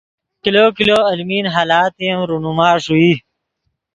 کلو کلو المین حالاتے ام رونما ݰوئی